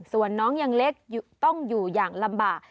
ส่วนน้องยังเล็กต้องอยู่อย่างลำบาก